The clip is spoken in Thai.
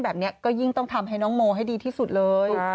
แบบนี้ก็ยิ่งต้องทำให้น้องโมให้ดีที่สุดเลย